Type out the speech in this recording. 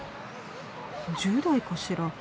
１０代かしら。